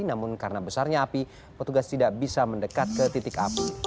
namun karena besarnya api petugas tidak bisa mendekat ke titik api